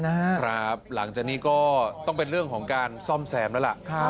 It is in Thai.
หลังจากนี้ก็ต้องเป็นเรื่องของการซ่อมแซมแล้วล่ะ